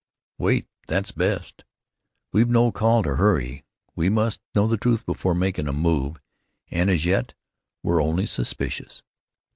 "Wait; that's best. We've no call to hurry. We must know the truth before makin' a move, an' as yet we're only suspicious.